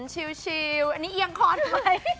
ชิลล์อันนี้เอียงคอดูไหม